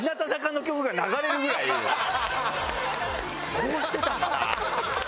こうしてたから。